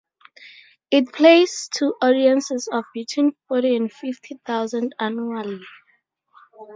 It plays to audiences of between forty and fifty thousand annually.